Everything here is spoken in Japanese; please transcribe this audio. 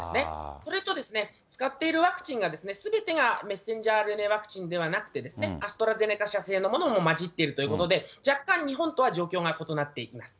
それと使っているワクチンがすべてがｍＲＮＡワクチンじゃなくて、アストラゼネカ社製のものも混じっているということで、若干日本とは状況が異なっています。